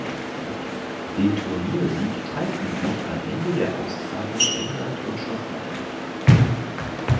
Den Turniersieg teilten sich am Ende der Austragung England und Schottland.